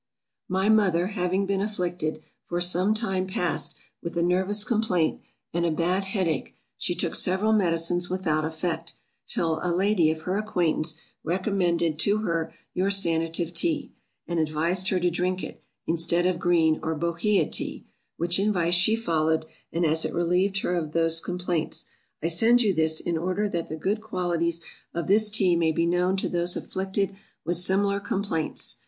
_ MY mother having been afflicted, for some time past, with a nervous complaint and a bad head ache, she took several medicines without effect; till a lady of her acquaintance, recommended to her your Sanative Tea, and advised her to drink it, instead of green or bohea tea; which advice she followed; and as it relieved her of those complaints, I send you this, in order that the good qualities of this Tea may be known to those afflicted with similar complaints.